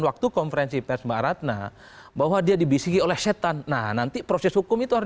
waktu konferensi pes barat nah bahwa dia dibisiki oleh setan nah nanti proses hukum itu harus